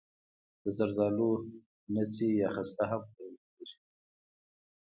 د زردالو نڅي یا خسته هم پلورل کیږي.